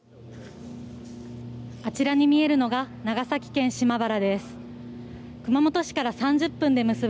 あちらに見えるのが長崎県島原です。